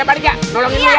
pak dika nolongin dulu ya